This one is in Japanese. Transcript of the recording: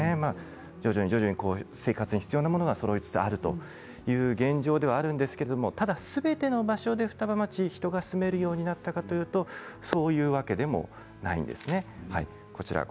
徐々に徐々に生活に必要なものがそろいつつあるという現状ではあるんですけれどただすべての場所で双葉町、人が住めるようになったかというとそういうわけではないです。